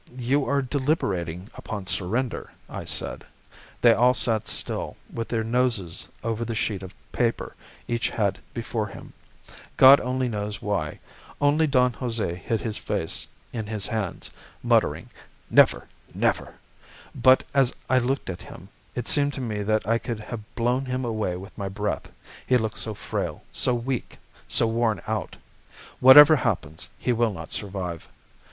'You are deliberating upon surrender,' I said. They all sat still, with their noses over the sheet of paper each had before him, God only knows why. Only Don Jose hid his face in his hands, muttering, 'Never, never!' But as I looked at him, it seemed to me that I could have blown him away with my breath, he looked so frail, so weak, so worn out. Whatever happens, he will not survive.